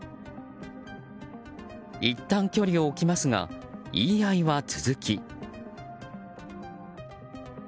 いったん距離を置きますが言い合いは続き。